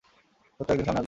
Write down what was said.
সত্য একদিন সামনে আসবেই।